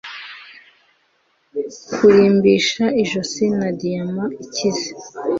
kurimbisha ijosi na diyama ikize